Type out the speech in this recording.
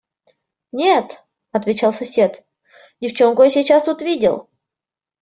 – Нет, – отвечал сосед, – девчонку я сейчас тут видел.